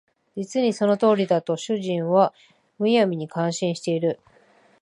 実にその通りだ」と主人は無闇に感心している